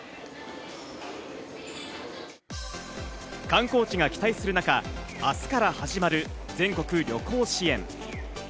観光地が期待する中、明日から始まる全国旅行支援。